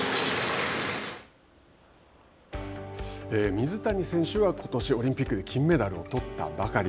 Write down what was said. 水谷選手はことしオリンピックで金メダルを取ったばかり。